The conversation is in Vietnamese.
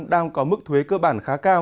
đang có mức thuế cơ bản khá cao